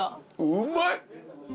うまい！